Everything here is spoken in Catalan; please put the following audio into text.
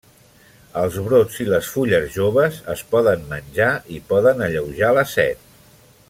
Els brots i les fulles joves es poden menjar i poden alleujar la set.